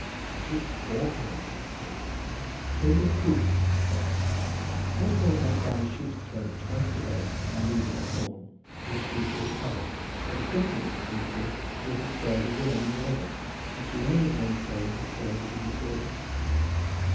"What is hoarhound?" said he. "Llwyd y Cwn," said I. "Pour some of that down the sheep's throat twice a day, by means of a horn, and the sheep will recover, for the bitterness, do you see, will destroy the worm in the liver, which learned men say is the cause of the disorder."